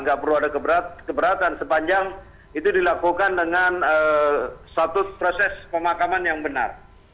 tidak perlu ada keberatan sepanjang itu dilakukan dengan satu proses pemakaman yang benar